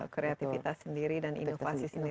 kreativitas sendiri dan inovasi sendiri